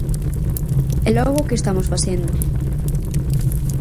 ¿E logo que estamos facendo?